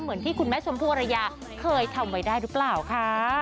เหมือนที่คุณแม่ชมพู่อรยาเคยทำไว้ได้หรือเปล่าค่ะ